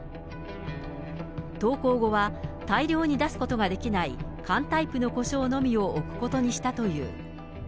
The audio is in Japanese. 投稿後は大量に出すことができない缶タイプのコショウのみを置くことにしたという。